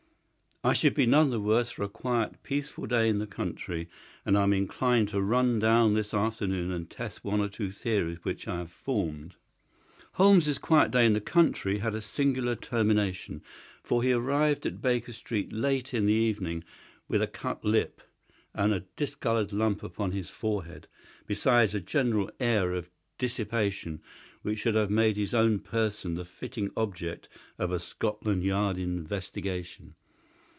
I should be none the worse for a quiet, peaceful day in the country, and I am inclined to run down this afternoon and test one or two theories which I have formed." Holmes's quiet day in the country had a singular termination, for he arrived at Baker Street late in the evening with a cut lip and a discoloured lump upon his forehead, besides a general air of dissipation which would have made his own person the fitting object of a Scotland Yard investigation.